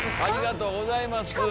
ありがとうございます。